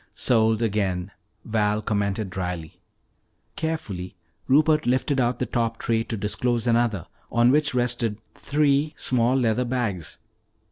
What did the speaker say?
"Sold again," Val commented dryly. Carefully Rupert lifted out the top tray to disclose another on which rested three small leather bags.